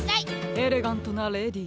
エレガントなレディー。